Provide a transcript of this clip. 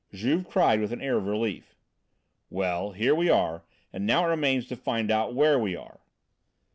Juve cried with an air of relief, "Well, here we are, and it now remains to find out where we are."